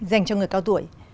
dành cho người cao tuổi